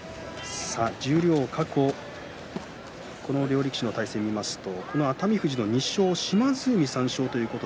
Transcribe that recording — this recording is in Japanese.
過去に両力士の対戦を見ますと、熱海富士の２勝、島津海３勝です。